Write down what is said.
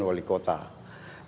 nah ini tentu harus atas kesepakatan